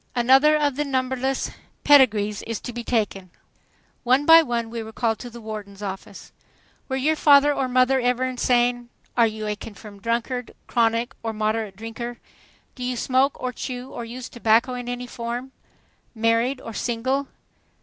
Another of the numberless "pedigrees" is to be taken. One by one we were called to the warden's office. "Were your father or mother ever insane?" "Are you a confirmed drunkard, chronic or moderate drinker?" "Do you smoke or chew or use tobacco in any form?" "Married or single?"